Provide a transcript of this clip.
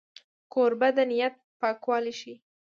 کوربه د نیت پاکوالی ښيي.